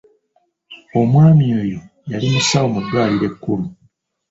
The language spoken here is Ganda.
Omwami oyo yali musawo mu ddwaliro ekkulu.